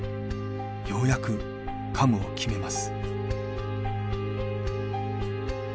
ようやくカムを決めます。